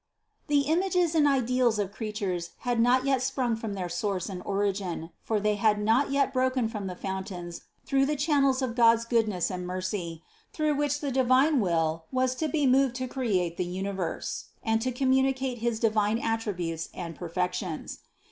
The images and ideals of creatures had not yet sprung from their source and origin ; for they had not yet broken from the fountains through the channels of God's goodness and mercy, through which the divine will was to be moved to create the universe and to communicate his divine attributes and perfections.